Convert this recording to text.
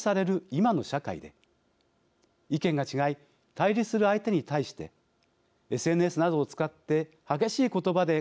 今の社会で意見が違い対立する相手に対してＳＮＳなどを使って激しい言葉で